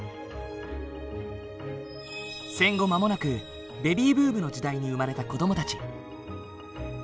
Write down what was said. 戦後間もなくベビーブームの時代に生まれた子どもたち。